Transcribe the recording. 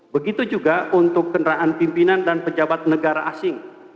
begitu juga untuk kendaraan pimpinan dan pejabat negara asing